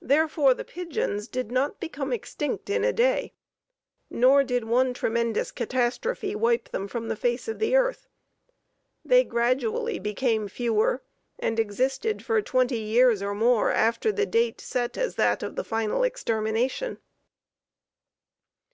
Therefore the pigeons did not become extinct in a day; nor did one tremendous catastrophe wipe them from the face of the earth. They gradually became fewer and existed for twenty years or more after the date set as that of the final extermination.